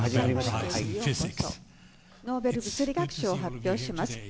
ノーベル物理学賞を発表します。